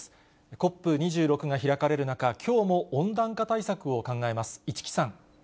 ＣＯＰ２６が開かれる中、きょうも温暖化対策を考えます。